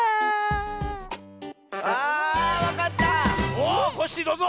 おっコッシーどうぞ！